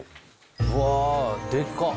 うわでかっ。